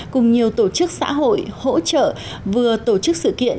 cùng nhiều tổ chức xã hội hỗ trợ vừa tổ chức sự kiện